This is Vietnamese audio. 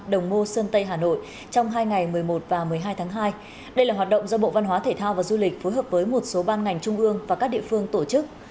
đồng mô sơn tây hà nội trong hai ngày một mươi một và một mươi hai tháng hai đây là hoạt động do bộ văn hóa thể thao và du lịch phối hợp với một số ban ngành trung ương và các địa phương tổ chức